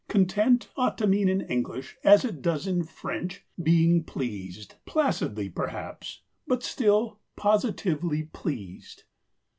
"Content" ought to mean in English, as it does in French, being pleased; placidly, perhaps, but still positively pleased.